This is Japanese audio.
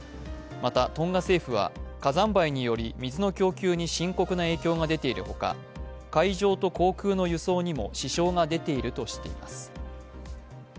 また、トンガ政府は、火山灰により水の供給に深刻な影響が出ているほか、海上と航空の輸送にも支障が出ているとしています。